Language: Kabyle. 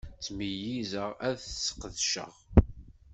Ttmeyyizeɣ ad t-ssqedceɣ.